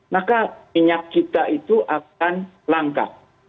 maka minyak kita itu akan langka